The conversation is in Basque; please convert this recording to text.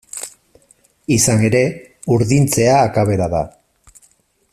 Izan ere, urdintzea akabera da.